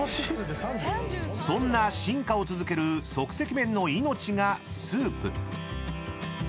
［そんな進化を続ける即席麺の命がスープ］